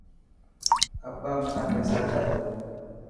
ابا منا پيسا ڏي تو.